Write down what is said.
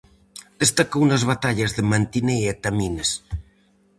Destacou nas batallas de Mantinea e Tamines.